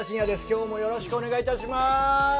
今日もよろしくお願い致しまーす！